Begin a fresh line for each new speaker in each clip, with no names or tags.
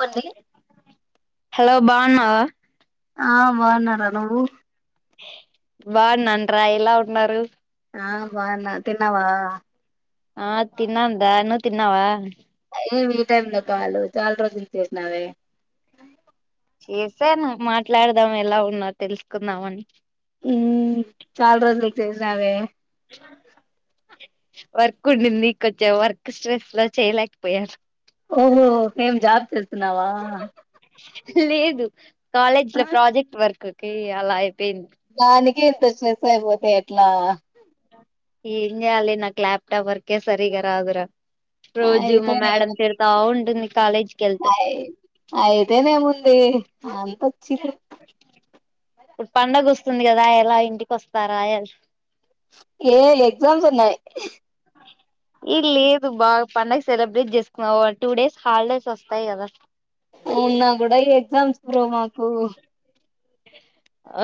చెప్పండి
హలో బాగున్నావా
ఆ బాగున్నారా నువ్వు
బాగున్నాంర్రా ఎలా ఉన్నారు
అ బాగున్నా తిన్నవా
ఆ తిన్నందా ను తిన్నావా
చేసినవే
చేసామ్ మాట్లాడదాం ఎలా ఉన్నావ్ తెలుసుకుందాం అని
ఉ చాలా రోజులకు చేసినావే
వర్క్ ఉండింది కొంచెం వర్క్ స్ట్రెస్ లో చేయలేకపోయాను
ఓహో ఏం జాబ్ కెళ్తున్నావా
లేదు కాలేజ్
ఆ
లో ప్రాజెక్ట్ వర్క్ కి అలా అయిపోయింది
దానికి ఇంత సే బోతే ఎట్లా
ఏం చెయ్యాలి నాకు లాప్టాప్ వర్కే సరిగా రాదురా రోజు మా
అయితేనే
మేడం తిడతా ఉంటుంది కాలేజ్ కి వెళ్తే
ఐత్ అయితేనేముంది ఆళ్లు వచ్చిండ్రు
ఇప్పుడు పండగ వస్తుంది కదా ఎలా ఇంటికి వస్తారా
ఏ ఎగ్జామ్స్ ఉన్నాయి
టీవీ సౌండ్ ఈ లేదు బాగా పండగ సెలబ్రేట్ చేసుకున్నా వా టూ డేస్ హాలిడేస్ వస్తాయి కదా
ఉన్న కూడా ఈ ఎగ్జామ్స్ బ్రో మాకు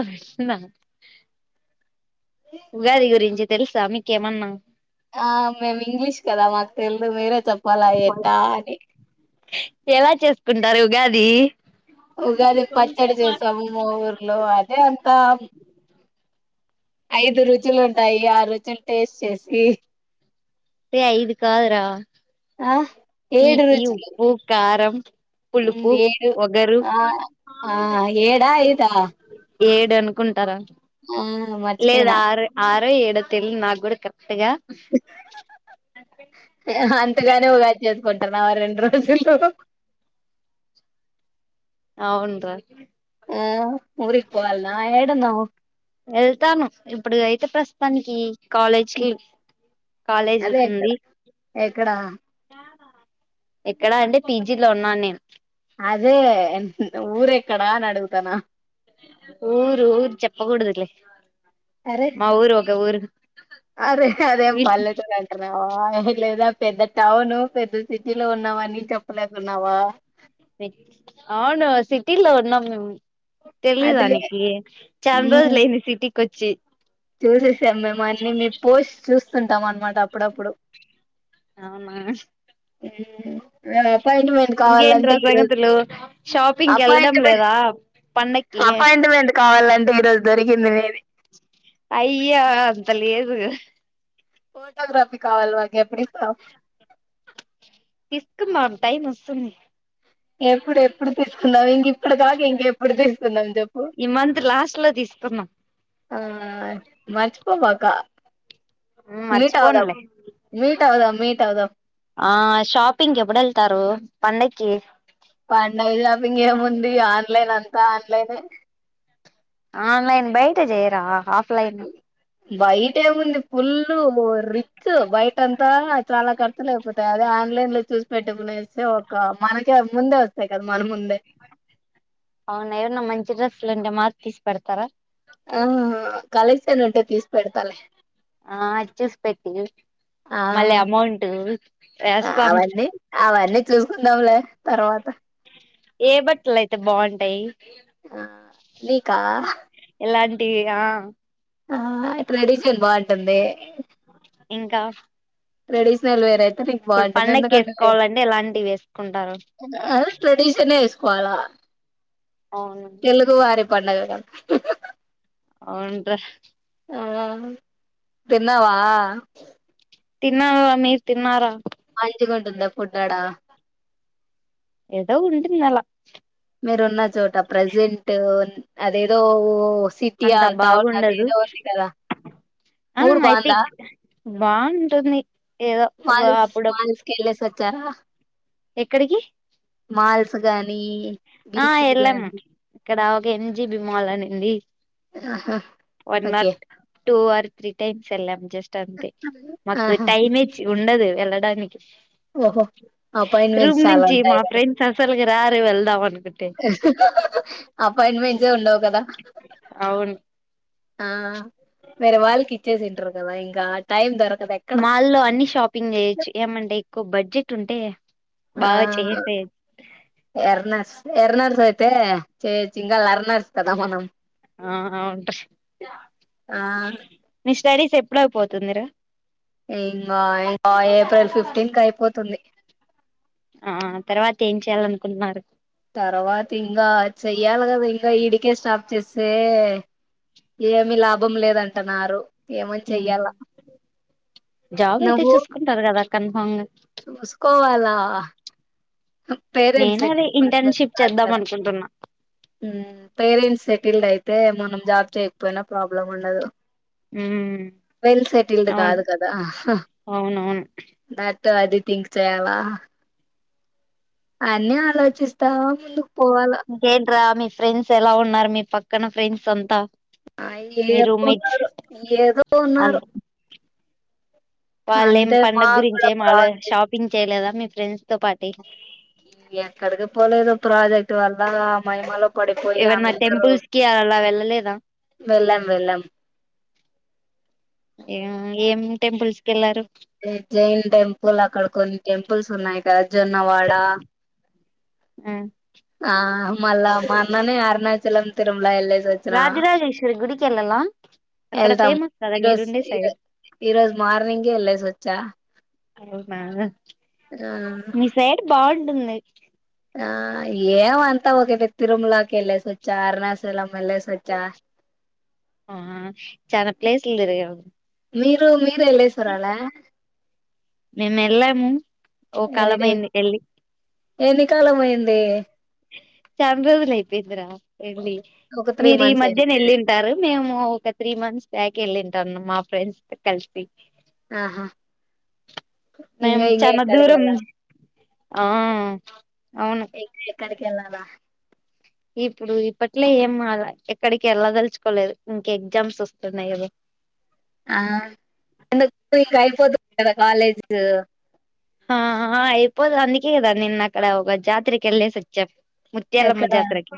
అవునా ఉగాది గురించి తెలుసా మీకేమన్నా
ఆ మేము ఇంగ్లీష్ కదా మాకు తెలువది మీరే చెప్పాలా ఎట్ట అని
ఎలా చేసుకుంటారు ఉగాది
ఉగాది పచ్చడి చేసాము మా ఊర్లో అదే అంతా ఐదు రుచులు ఉంటాయి ఆరు రుచులు టేస్ట్ చేసి
అయితే ఇదు కాదురా
ఆ
తీపి ఉప్పు కారం
ఉ
పులుపు
ఏడు
ఒగరు
ఆ ఆ ఏడా అయిదు
ఏడు అనుకుంటారా లేదు
మర్చిపోయినా
ఆరు ఆరు ఆరు ఏడో తెలిదు నాకు కూడా కరెక్ట్ గా
అంతేగాని ఉగాది చేసుకో కొంటున్నావా రెండు రోజల్లో
అవునురా
ఆ ఊరికి పోవాల్నా ఏడున్నావ్
వెళ్తాను ఇప్పుడు అయితే ప్రస్తుతానికి కాలేజ్ కి కాలేజ్
అదే ఎక్కడ
ఉంది
ఎక్కడా
ఎక్కడ అండి పి జీలో ఉన్నాను నేను
అదే ఊరు ఎక్కడ అని అడుగుతున్నా
ఊరు ఊరు చెప్పకూడదులే
అరే
మా ఊరు ఒకఓకే ఊరు
అరే అదే ఏమన్నా
వీళ్ళు
పల్లెటూరు అంటున్నావా అదేం లేదు పెద్ద టౌను పెద్ద సిటీ లో ఉన్నావని చెప్పలేకున్నావా
అవును సిటీలో ఉన్నాం మేము
అదే
తెలియదానికి చా లా
మ్మ్
రోజులుయింది సిటీకో చ్చి
చూసేసాం మేము అన్ని మేము పోస్ చూస్తుంటాం అన్నమాట అప్పుడప్పుడు
అవునా
ఉ ర్ అపాయింట్మెంట్
ఇంకేంట్రా
కావాలంటే ఈరోజు
సంగతులు షాపింగ్ కి వెళ్ళడం
అపాయింట్మెంట్
లేదా పండక్కి
అపాయింట్మెంట్ కావాలంటే రోజు దొరికింది నీ ది
అయ్యా అంత లేదు
ఫోటో గ్రాఫిక్స్ కావాలి ఎప్పుడు ఇస్తావ్
ఇస్తున్నారు టైం వస్తుంది
ఎప్పుడు ఎప్పుడు తీసుకున్నావు ఇంక ఇప్పుడు కాక ఇంకెప్పుడు తీసుకుంది
ఈ మంత్ లాస్ట్ లో తీసుకున్న
ఆ మర్చిపోబాక
ఉమ్,
మీట్ అవుదాం
మర్చిపోనులే
మీట్ ట్ చాలు మీట్ అవుదా
ఆ షాపింగ్ ఎప్పుడు వెళ్తారు పండకి
పండుగ షాపింగ్ ఏముంది ఆన్లైన్ అంతా ఆన్లైన్
ఆన్లైన్ బయట చెయ్యరా ఆఫ్లైన్
బయట ఏముంది ఫుల్ రిచ్ బయట అంతా చాలా ఖర్చులేయిపోతాయి అదే ఆన్లైన్ లో చూసి పెట్టుకునే ఒక మనకే ముందే వస్తాయి కదా మన ముందే
అవునా ఎవన్న మంచి డ్రెస్సులు ఉంటే మాకు తీసి పెడతారా
ఆ కలెక్షన్ ఉంటే తీసి పెడతాలే
ఆ చూసి పెట్టి
ఆ
వేస్తాము
అవన్నీ అవన్నీ చూసుకుందాంలే తర్వాత
ఏ బట్టలు అయితే బాగుంటాయి
ఆ నీకా
అలాంటివి ఆ
ఆ ట్రెడిషన్ బాగుంటుంది
ఇంకా
ట్రెడీషనల్ వేర్ అయితే నీకు
ఇప్పుడు
బాగుంటంది
పండక్కి
ఎందుకంటే
వేసుకోవాలంటే ఇలాంటివి వేసుకుంటారు
ఆ ట్రెడిషన్ వేసుకోవాలా
అవునండి
పండుగ కా
అవున్రా
ఆ తిన్నావా
తిన్నావ మీరు తిన్నారా
అంచికంటందా ఫుడ్ ఆడ
ఏదో ఉంటుంది అలా
మీరున్న చోట ప్రజెంట్ అదేదో సిటీ
అంత
ఆల్టోన్ అది
బాగుండదు
ఏదో ఉంది కదా
ఆ
ఊరు
అయితే
బాగుందా
బాగుంటుంది ఏదో ఒక
మాల్స్
అప్పుడప్పుడు
మాల్స్ కి వెళ్ళేసి వచ్చారా
ఎక్కడికి
మాల్స్ గానీ బీచెస్ గానీ
ఎం జీబి మాల అని ఉంది
ఆహా okay
two or three times ఎల్ జస్ట్ అంతే మకు
ఆహా
టైమే ఉండదు ఎ దానికి
ఓహో
రూమ్
అపాయింట్మెంట్స్ చాలా
నుంచి మా
ఉంటాయి కదా
ఫ్రెండ్స్ అసలుకి రారు వెళ్దాంని
అపాయింట్మెంట్సే ఉండవు కదా
అవును
ఆ వేర వాళ్కి ఇచ్చేసింటకదా ఇంకా టైమ్ దొర
మాల్లో అన్ని షాపింగ్ చేయొచ్చు ఏమంటే ఎక్కువ బడ్జెట్ ఉంటే
ఆ
బాగా చేసేయచ్చు
ఎర్నాస్ ఎరనార్స అయితే చ చింగల్ అరనార్స్ కదా మనం
ఆ అవును టర్
ఆ
నెక్స్ట స్టడీస్ ఎప్పుడైపోతుందిరా
ఇంకా ఇంకా ఏప్రిల్ ఫిఫ్టీన్ క అయిపోతుంది
ఆ తర్వాత ఏం చెయాల అనుకుంటున్నారు
తర్వాత ఇంకా చెయ్యాలి కదా ఇంకా ఈడికే స్టాప్ చేస్తే ఏమి లాభం లేదంటన్నారు. ఏమని
మ్
చెయ్యాల
జాబ్ అయితే చూసుకుంటారు కదా, కన్ఫామ్ గా
చూసుకోవాల పేరెంట్స్
నేను అదే
ఎటిక్ పర్సన్స్
ఇంటర్న్షిప్
కాదు
చేద్దాం
కదా.
అనుకుంటున్నా
పేరెంట్స్ సెటిల్డ్ అయితే మనం జాబ్ చేయకపోయినా, ప్రాబ్లం ఉండదు.
ఉమ్
వెల్ సెటిల్డ్
అవును
కాదు కదా!
అవునవును
నా తె అది థింక్ చేయాల. అన్ని ఆలోచిస్తా ముందు
ఇంకేంట్ర మీ ఫ్రెండ్స్ ఎలా ఉన్నారు? మీ పక్కన ఫ్రెండ్స్ అంతా
ఆ
మీ
ఎంద్
రూమ్మేట్స్
ఉన్నారో, ఏదో ఉన్నారు.
వాళ్ ఏం
అంతే
పండగ
మాకు
గురించి
కూడా
ఏం ఆలో,
ప్రాజెక్ట్
షాపింగ్ చేయలేదా మీ ఫ్రెండ్స్ తో పాటి
ఎక్కడికి పోలేదు. ప్రాజెక్ట్ వల్ల మహిమల కూడిపోయి
ఏవన్నా
అందరూ
టెంపుల్స్ కి అలా వెళ్ళలేదా
వెళ్ళాం వెళ్ళాం.
ఏ ఏం టెంపుల్స్ కెళ్ళారు
జైన్ టెంపుల్, అక్కడ కొన్ని టెంపుల్స్ ఉన్నాయి కదా! జొన్నవాడ
మ్
ఆ మల్ల మన్ననే అరుణాచలం తిరు మల ఎల్లేసి వచ్చిన.
రాజరాజేశ్వరి గుడికి వెళ్ళాలా అక్కడ
వెళ్తాం
ఫేమస్ కదా
ఈరోజు
మీరుండే
ఈరో
సైడ్
ఈ రోజు మార్నింగే ఎల్లెస్ వచ్చ.
అవునా!
మ్
ఉన్నాయ్.
కాకపోతే ఇప్పటికీ తిరుమలాకి ఎల్లెసొచ్చా, అరుణాచలం ఎల్లెసొచ్చా.
ఆ చానా ప్లేస్ లు తిరిగావ్.
మీరు మీరెల్లేసి రాల?
మేము ఎళ్ళాము. ఓ
ఎన్ని డేస్
కాలమైంది ఎళ్ళి
ఎన్ని కాలమయింది?
చాన రోజులు అయిపోయింది ర. ఎల్లి.
ఒక త్రీ
మీరు ఈ
మంత్స్
మధ్యన
అయింది
ఎళ్ళింటారు మేము ఒక త్రీ మంత్స్ ప్యాక్ ఎల్లింటాన్నం మా ఫ్రెండ్స్ తో కలిసి
ఆహా!
మేం
ఇంగ ఇంగ
చాన దూరం.
ఎక్కడికెళ్ళాలి
ఆ అవును
ఎ ఎక్కడికి ఎళ్ళాల
ఇప్పుడు, ఇప్పట్లే ఏం ఎక్కడికి వెళ్ళదలుచుకోలేదు. ఇంక ఎగ్జామ్స్ వస్తున్నాయి కదా!
ఆ [unintelligible] అయిపోతది కదా కాలేజు
హా అయిపోదు. అందుకే క, నిన్న అక్కడ ఒక జాతరకి ఎల్లేసి వచ్చాము. ముత్యాలమ్మ
ఎక్కడ
జాతరకి.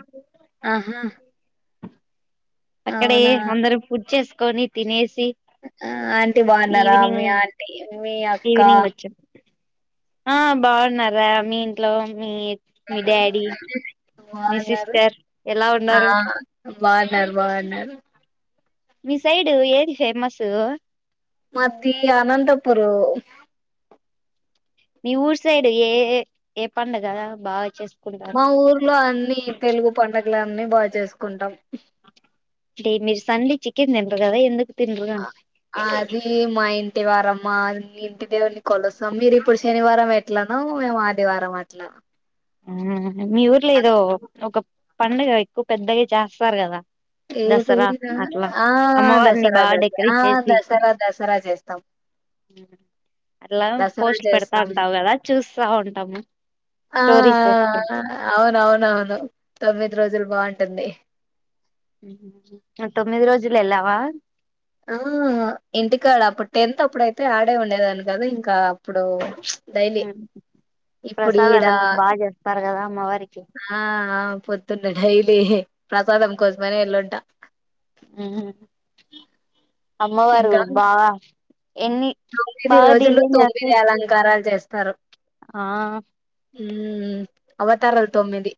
ఆహా!
అక్కడే
అవునా!
అందరం పుడ్ చేసుకొని, తినేసి,
ఆ ఆంటీ బాన్నారా? మీ
ఈవినింగ్
ఆంటీ, మీ అక్క
ఈవినింగ్ వచ్చాం ఆ బాగున్నారా? మీ ఇంట్లో మీ
ఆ
మీ డాడీ
అ
మీ
బాగున్నారు.
సిస్టర్ ఎలా
ఆ
ఉన్నారు
బాగున్నారు. బాగున్నారు.
మీ సైడు ఏది ఫేమస్?
మాది అనంతపురు.
మీ ఊరు సైడు, ఏ ఏ పండగ బాగ చేస్
మా ఊర్లో అన్ని తెలుగు పడుగలె. అన్ని బా చేసుకుంటాం.
అంటే, మీరు సండే చికెన్ తినరు కదా ఎందుకు? తినరు
అ అది మా ఇంటి వారమ్మా ఇంటి దేవుని కొలుస్తాం మీరు ఇప్పుడు శనివారం ఎట్లాన మేము ఆదివారం అట్లాలను
ఆ మీ ఊర్లో ఏదో ఒక పడుగ ఎక్కువ పెద్దగా చేస్తారు కదా దసరా
ఏదనా
అట్లా
ఆ
అమ్మవారిని
దసరా
బాగా
దసరా
డెకరేట్
ఆ దసరా దసరా చేస్తాం
హ అట్లా
దసరా
పోస్ట్లు పెడతా
చేస్తాం
ఉంటావు కదా చూస్తా ఉంటాము స్టోరీస్
అవునవున అవును తొమ్మిది రోజులు బాగుంటుంది
తొమ్మిది రోజులు ఎల్లావా
ఆ ఇంటికాడ అప్పుడు టెన్త్ అప్పుడయితే ఆడే ఉండేదాని కదా ఇంకా అప్పుడు డైలీ ఇప్పుడు ఈడా
ప్రసాదాలందుకు బాగా చేస్తారు కదా అమ్మవారికి
ఆ పొద్తున్న డైలీ ప్రసాదం కోసమని వెళంట
అమ్మ వాారు
ఇంకా
బా
తొమ్మిది రోజులు తొమ్మిది
చేసి
అలంకారాలు చేస్తారు
ఆ
ఉ అవతారలు తొమ్మిది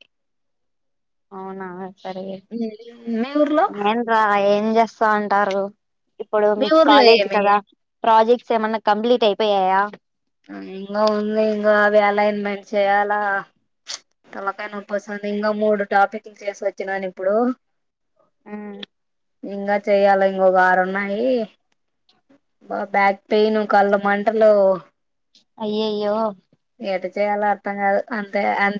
అవునా సరి
మీ ఊర్లో
ఏను రా ఏం చేస్తా అంటారు ఇప్పుడు
మీ
మీకు
ఊర్లో
కాలేజ్
ఏమి
కదా ప్రాజెక్ట్స్ ఏమన్నా కంప్లీట్ అయిపోయాయా
ఇంకా ఉంది ఇంకా అవి అలా ఇన్మెంట్ చేయాలా తలకా నప్పస్తుంది ఇంకా మూడు టాపిక్లు తీసుొచ్చినాను ఇప్పుడు
ఆ
ఇంకా చెయ్యాల ఇంకొకారు ఉన్నాయి బ బ్యాక్ పెయిన్ కళ్ళ మంటలు
అయ్యో అయ్యో
చేయలో అర్థం కాదు అంతే అ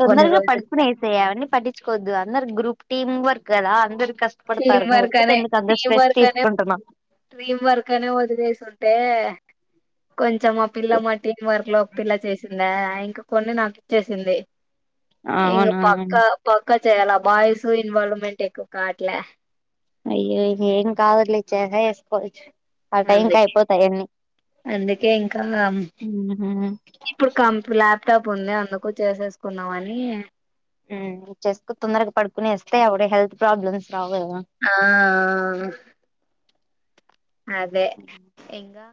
తొందరగా పడుకునే స అవన్నీ పట్ంచుకోవద్దు అందరు గ్రూప్ టీమ్ వర్క్ కదా అందరు
టీం
కష్టపడతారుని
వర్క్
వచ్చి ఎందుకు అంత స్ట్రెస్ తీసుకుంటున్నాం
ట్రీమ్ వర్క్ అనే వదిలేసింటే కొంచం మా పిల్ల మా టీం వర్క్ లో ఒక పిల్ల చేసిందా ఇంక కొన్ని నాకు ఇచ్చేసింది ఇం
అవునా
పక్క పక్క చేయ్యాల బాయ్స్ ఇన్వాల్వ్మెంట్ ఎక్కువ కాట్లే
అయ్యో ఏం కాదు లే చేసా వేసుకోవచ్చు ఆ టైం క
అందుకే
అయిపోతాయిన్నీ
అందుకే ఇంకా ఇప్పుడు కంప్లా లెప్టాప్ ఉంది అందుకు చేసేసుకున్నామని
చెసుకు తొందరగా పడుకునే వస్తేయి అవిడ హెల్త్ ప్రాబ్లమ్స్ రావు కదా
ఆ అదే ఇంగా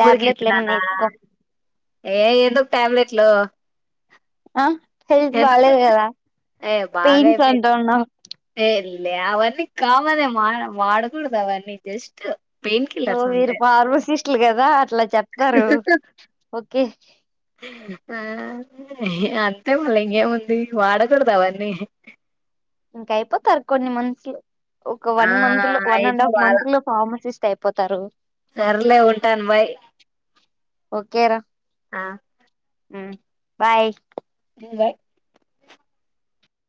టాబ్లెట్లు
ఊరికెనా
ఏమన్నా వేసుకో
ఏ ఎందు ట్యాబ్లెట్ లో
ఆ హెల్త్ బాాలలేదు కదా
ఏ
పెయిన్స్ అంటా ఉన్నావు
అ అవన్నీ కామన్ మా వాడకూడదు అవన్నీ జస్ట్ పెయిన్
ఓ
కిల్లర్స్
వీరు
అంతే
ఫార్మోసిస్టులు కదా అట్లా చెప్తారు ఓకే
ఆ అంతే మళ్ళ ఇంగేముంది వాడకూడదావన్నీ
ఇంకా అయిపో తర కొన్ని మంత్స్ లో ఒక
ఆ
వన్ మంత్ లో వన్ అండ్
అయిపో
హాఫ్
వాళ
మంత్ లో ఫార్మసిస్ అయిపోతారు
సర్లే ఉంటాను బాయ్
ఓకేరా
ఆ
ఊ బాయ్
బాయ్